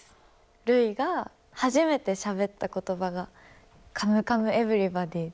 るいが初めてしゃべった言葉が「カムカムエヴリバディ」。